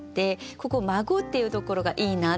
ここ「孫」っていうところがいいなと思って。